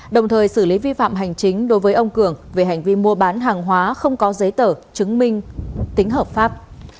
đồng thời xử lý vi phạm hành chính đối với ông cường về hành vi mua bán hàng hóa không có giấy tờ chứng minh tính hợp pháp